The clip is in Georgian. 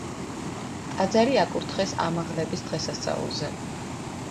ტაძარი აკურთხეს ამაღლების დღესასწაულზე.